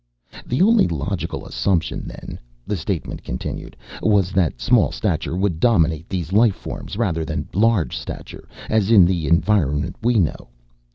"The only logical assumption, then," the statement continued, "was that small stature would dominate these life forms, rather than large stature, as in the environment we know.